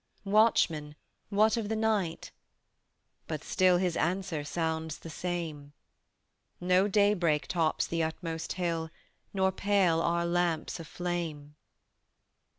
"Watchman, what of the night?" but still His answer sounds the same: "No daybreak tops the utmost hill, Nor pale our lamps of flame."